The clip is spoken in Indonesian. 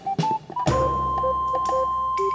saya juga ngantuk